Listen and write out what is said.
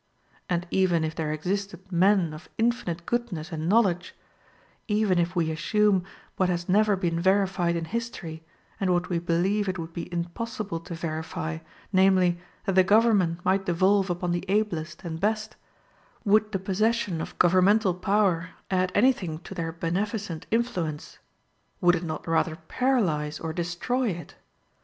And even if there existed men of infinite goodness and knowledge, even if we assume what has never been verified in history, and what we believe it would be impossible to verify, namely, that the government might devolve upon the ablest and best, would the possession of governmental power add anything to their beneficent influence? Would it not rather paralyze or destroy it?